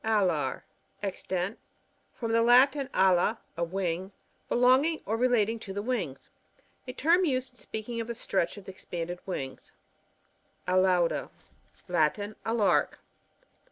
Alar ( Extent. )— From the Latin a2tf, a wing. Belonging or rela ting to the winzs. A term used in speaking of uie stretch of tlie expanded wings. Alauda. — Latin. A lark.